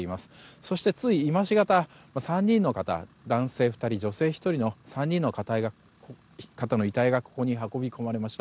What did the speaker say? そして、つい今しがた男性２人、女性１人の３人の方の遺体がここに運び込まれました。